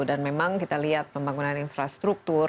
dan memang kita lihat pembangunan infrastruktur